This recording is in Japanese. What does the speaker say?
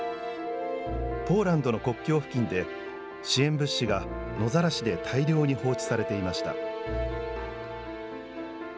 ポーランドの国境付近で、支援物資が野ざらしで大量に放置されていました。